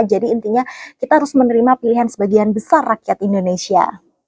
jadi intinya kita harus menerima pilihan sebagian besar rakyat indonesia